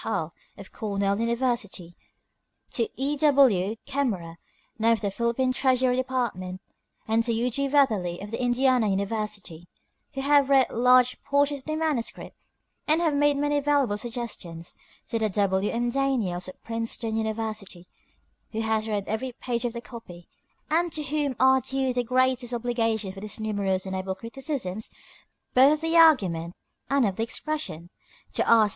Hull, of Cornell University; to E. W. Kemmerer, now of the Philippine Treasury Department, and to U. G. Weatherly, of Indiana University, who have read large portions of the manuscript, and have made many valuable suggestions; to W. M. Daniels, of Princeton University, who has read every page of the copy, and to whom are due the greatest obligations for his numerous and able criticisms both of the argument and of the expression; to R.